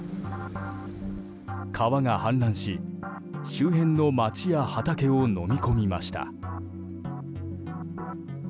川が氾濫し、周辺の街や畑をのみ込みました。